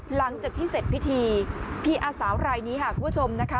หลังจากที่เสร็จพิธีพี่อาสาวรายนี้ค่ะคุณผู้ชมนะคะ